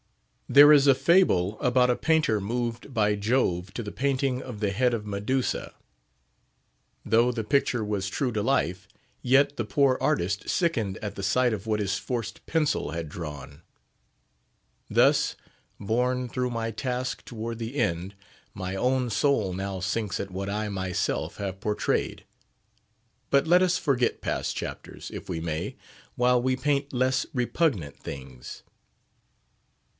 There is a fable about a painter moved by Jove to the painting of the head of Medusa. Though the picture was true to the life, yet the poor artist sickened at the sight of what his forced pencil had drawn. Thus, borne through my task toward the end, my own soul now sinks at what I myself have portrayed. But let us forget past chapters, if we may, while we paint less repugnant things.